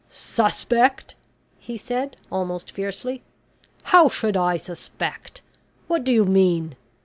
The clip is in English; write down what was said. "Suspect!" he said, almost fiercely. "How should I suspect? What do you mean?